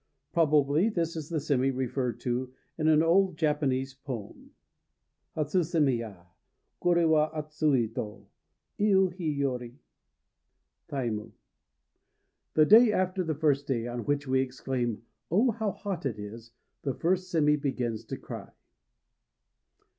Probably this is the sémi referred to in an old Japanese poem: Hatsu sémi ya! "Koré wa atsui" to Iu hi yori. TAIMU. The day after the first day on which we exclaim, "Oh, how hot it is!" the first sémi begins to cry.